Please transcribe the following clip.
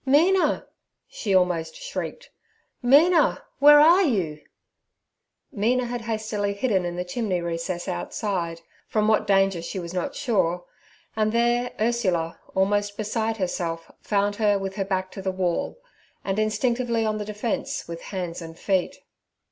'Mina!' she almost shrieked, 'Mina, where are you?' Mina had hastily hidden in the chimney recess outside—from what danger she was not sure—and there Ursula, almost beside herself, found her with her back to the wall, and instinctively on the defence with hands and feet.